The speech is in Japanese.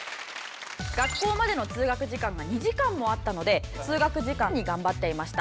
「学校までの通学時間が２時間もあったので通学時間に頑張っていました」。